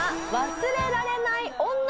忘れられない女？